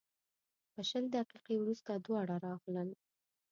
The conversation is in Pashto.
په شل دقیقې وروسته دواړه راغلل.